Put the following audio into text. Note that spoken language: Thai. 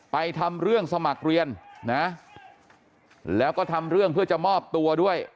ทำเรื่องสมัครเรียนนะแล้วก็ทำเรื่องเพื่อจะมอบตัวด้วย